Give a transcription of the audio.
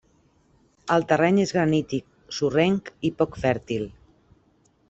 El terreny és granític, sorrenc i poc fèrtil.